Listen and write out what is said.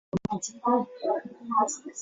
由进士擢第。